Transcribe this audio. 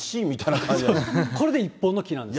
これで一本の木なんです。